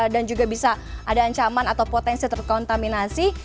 dan juga bisa ada ancaman atau potensi terkontaminasi